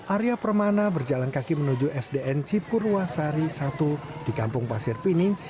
arya permana berjalan kaki menuju sdn cipurwasari satu di kampung pasir pining